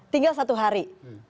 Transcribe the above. tinggal satu hari